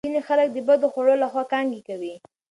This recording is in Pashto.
ځینې خلک د بدو خوړو له خوا کانګې کوي.